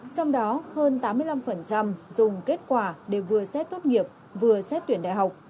trong đó hơn tám mươi năm dùng kết quả để vừa xét tốt nghiệp vừa xét tuyển đại học